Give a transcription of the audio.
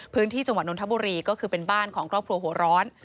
พื้นที่จนธบุรีก็คือเป็นบ้านของครอบครัวโหร้อน